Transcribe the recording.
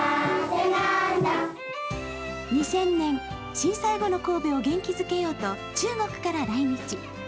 ２０００年、震災後の神戸を元気づけようと中国から来日。